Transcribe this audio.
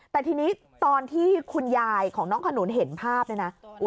แต่ทีนี้ตอนที่คุณยายของน้องขนุนเห็นภาพเนี่ยนะ